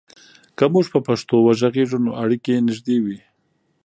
که موږ په پښتو وغږیږو، نو اړیکې نږدې وي.